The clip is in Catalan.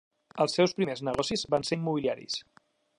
Els seus primers negocis van ser immobiliaris.